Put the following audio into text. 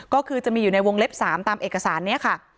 ก็คือจะมีอยู่ในวงเล็บ๓ตามเอกสารนี้ค่ะ